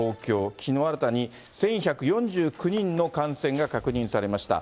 きのう新たに１１４９人の感染が確認されました。